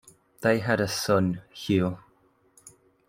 They had a son, Hugh.